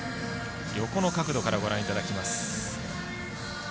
横の角度からご覧いただきます。